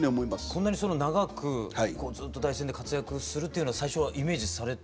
こんなに長くずっと第一線で活躍するっていうのは最初はイメージされてた？